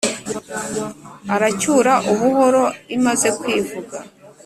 aracyura ubuhoro imaze kwivuga.